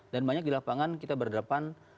banyak di lapangan kita berdepan